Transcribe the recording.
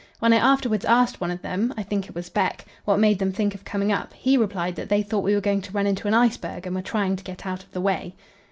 When I afterwards asked one of them I think it was Beck what made them think of coming up, he replied that they thought we were going to run into an iceberg and were trying to get out of the way.